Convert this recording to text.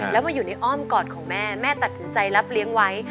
แล้วมาอยู่ในอ้อมกอดของแม่แม่ตัดสินใจรับเลี้ยงไว้